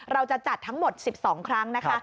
เราจะจัดทั้งหมด๑๒ครั้งนะคะ